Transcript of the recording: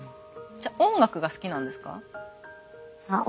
じゃあ音楽が好きなんですか？